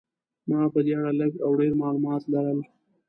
ما په دې اړه لږ او ډېر معلومات لرل.